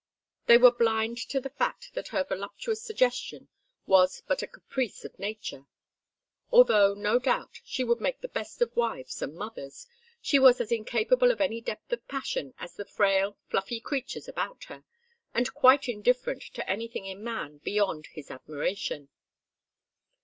They were blind to the fact that her voluptuous suggestion was but a caprice of nature. Although, no doubt, she would make the best of wives and mothers, she was as incapable of any depth of passion as the frail fluffy creatures about her, and quite indifferent to anything in man beyond his admiration.